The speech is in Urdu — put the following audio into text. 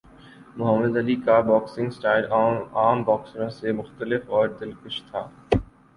محمد علی کا باکسنگ سٹائل عام باکسروں سے مختلف اور دلکش تھا